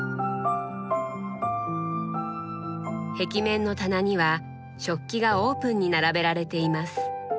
壁面の棚には食器がオープンに並べられています。